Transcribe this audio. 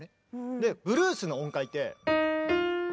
でブルースの音階って。